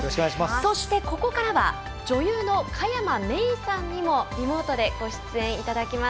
そして、ここからは女優の佳山明さんにもリモートでご出演いただきます。